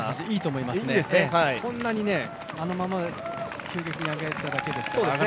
そんなにあのまま急激に上げられないですからね。